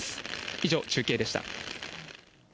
以上、中継でした。